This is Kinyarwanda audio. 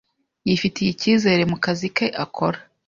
yifitiye ikizere mu kazi ke akora.